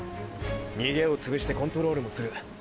逃げを潰してコントロールもする。